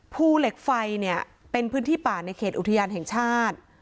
ภูเหล็กไฟเนี่ยเป็นพื้นที่ป่าในเขตอุทยานแห่งชาติ